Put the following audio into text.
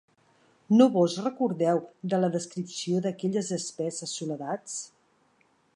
No vos recordeu de la descripció d'aquelles espesses soledats?